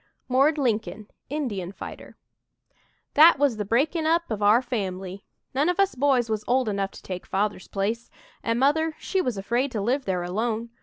"MORD" LINCOLN, INDIAN FIGHTER "That was the breaking up of our family. None of us boys was old enough to take Father's place, an' Mother she was afraid to live there alone.